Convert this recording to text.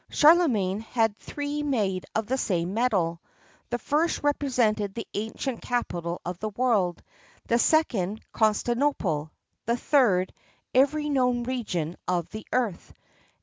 [XXXII 34] Charlemagne had three made of the same metal the first represented the ancient capital of the world; the second, Constantinople; the third, every known region of the earth.